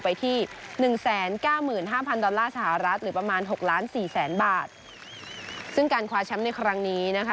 ไปที่๑๙๕๐๐๐ดอลลาร์สหรัฐหรือประมาณ๖ล้าน๔แสนบาทซึ่งการคว้าแชมป์ในครั้งนี้นะคะ